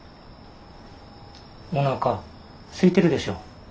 おなかすいてるでしょ。